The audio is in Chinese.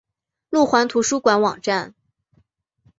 路环图书馆网站